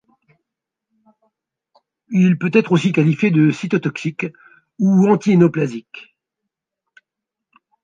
Il peut être aussi qualifié de cytotoxique ou antinéoplasique.